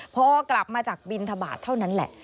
พอกลับมาจากบินทบาทเท่านั้นแหละ